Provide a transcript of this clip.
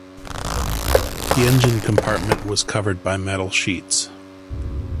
The engine compartment was covered by metal sheets.